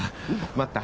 待った？